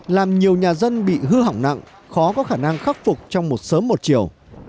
làm nhiều nhà dân bị hư hỏng nặng khó có khả năng khắc phục trong một sớm một chiều